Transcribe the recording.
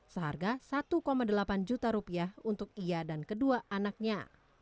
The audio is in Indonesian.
seharga satu delapan juta rupiah untuk ia dan kedua anaknya